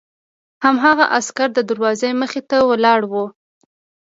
هماغه عسکر د دروازې مخې ته ولاړ و